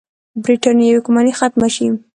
برټانیې واکمني ختمه شي.